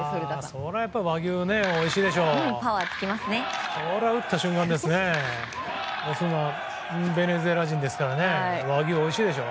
それはやっぱり和牛おいしいでしょう。